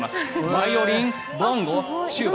バイオリン、ボンゴ、チューバ。